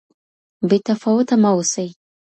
بې تفاوته مه اوسئ.